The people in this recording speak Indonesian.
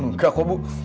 enggak kok bu